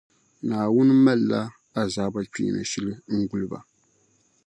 Naawuni malila azaaba kpeeni shili n-guli ba.